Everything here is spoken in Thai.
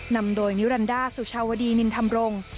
นำโดยนิวรันด้าสุชาวดีนินธำรง